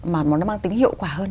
mà nó mang tính hiệu quả hơn